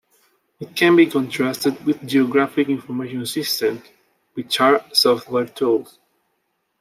It can be contrasted with geographic information systems, which are software tools.